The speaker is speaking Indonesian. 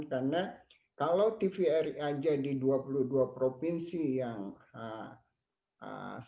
karena kalau tvri aja di dua puluh dua provinsi yang sangat